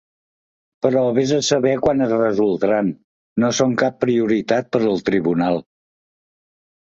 Però vés a saber quan es resoldran, no són cap prioritat per al tribunal.